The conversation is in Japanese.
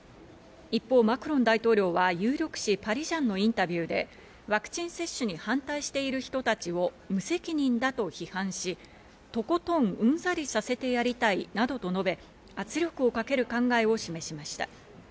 一方、マクロン大統領は有力紙パリジャンのインタビューでワクチン接種に反対している人たちを無責任だと批判し、とことんうんざりさせてやりたいなどと述べ、圧力をかける考えを示しました。